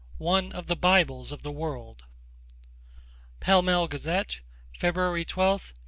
ONE OF THE BIBLES OF THE WORLD (Pall Mall Gazette, February 12, 1889.)